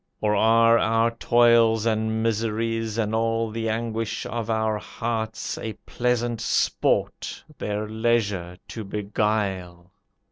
Or are our toils and miseries, And all the anguish of our hearts, A pleasant sport, their leisure to beguile?